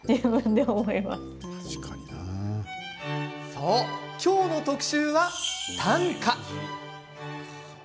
そう、今日の特集は短歌。